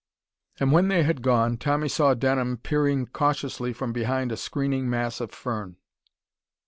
And when they had gone, Tommy saw Denham peering cautiously from behind a screening mass of fern.